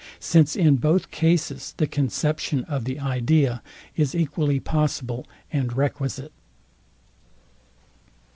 since in both cases the conception of the idea is equally possible and requisite.